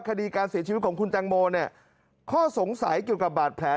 คดีการเสียชีวิตของคุณแตงโมเนี่ยข้อสงสัยเกี่ยวกับบาดแผล